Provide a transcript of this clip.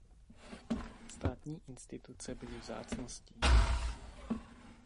Státní instituce byly vzácností.